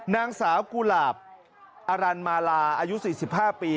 นางสาวกุหลาบอรันมาลาอายุ๔๕ปี